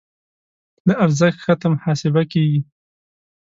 له ارزښت کښته محاسبه کېږي.